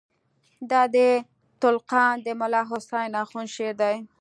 دا د تُلُقان د ملاحسن آخوند شعر دئ.